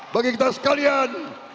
bagi kita sekalian